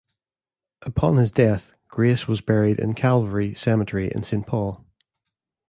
Upon his death, Grace was buried in Calvary Cemetery in Saint Paul.